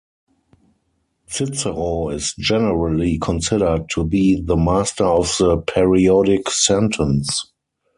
Cicero is generally considered to be the master of the periodic sentence.